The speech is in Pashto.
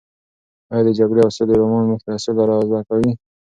ایا د جګړې او سولې رومان موږ ته سوله را زده کوي؟